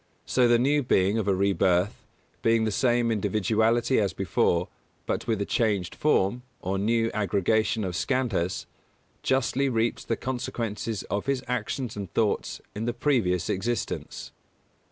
So the new being of a rebirth, being the same individuality as before, but with a changed form, or new aggregation of Skandhas, justly reaps the consequences of his actions and thoughts in the previous existence.